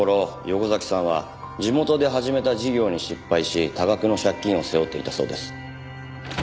横崎さんは地元で始めた事業に失敗し多額の借金を背負っていたそうです。